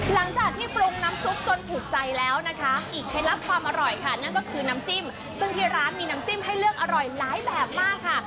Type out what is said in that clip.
หลังจากที่ปรุงน้ำซุปจนถูกใจแล้วนะคะอีกเคล็ดลับความอร่อยค่ะนั่นก็คือน้ำจิ้มซึ่งที่ร้านมีน้ำจิ้มให้เลือกอร่อยหลายแบบมากค่ะ